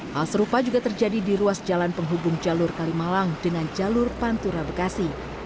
hal serupa juga terjadi di ruas jalan penghubung jalur kalimalang dengan jalur pantura bekasi